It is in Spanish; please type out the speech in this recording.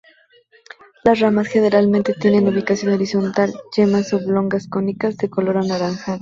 Las ramas generalmente tienen ubicación horizontal, yemas oblongas-cónicas de color anaranjado.